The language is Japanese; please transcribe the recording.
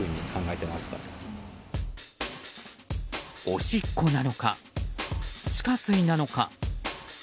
おしっこなのか、地下水なのか。